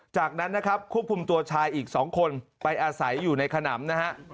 จากนั้นนะครับควบคุมตัวชายอีก๒คนไปอาศัยอยู่ในขนำนะฮะ